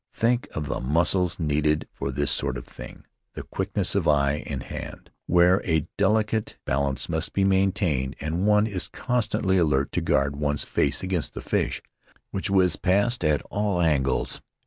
Think of the muscles needed for this sort of thing ; the quickness of eye and hand, where a delicate balance must be maintained, and one is constantly alert to guard one's face against the fish, which whizz past at all angles.